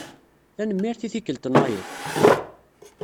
Tanemmirt i tikkelt-nnayeḍ.